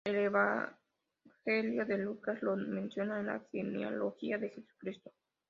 El evangelio de Lucas lo menciona en la genealogía de Jesucristo.